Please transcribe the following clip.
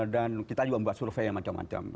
dan kita juga membuat survei yang macam macam